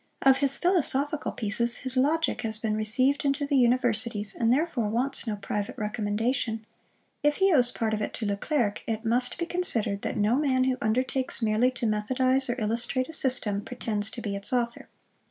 Of his philosophical pieces, his Logic has been received into the universities, and therefore wants no private recommendation: if he owes part of it to Le Clerc, it must he considered that no man who undertakes merely to methodize or illustrate a system, pretends to be its author.